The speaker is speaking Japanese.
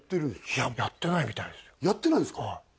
いややってないみたいですよやってないんですか？